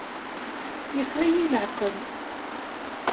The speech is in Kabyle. Yeffeɣ-iyi laɛqel.